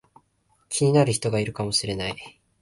気になる人がいるかもしれない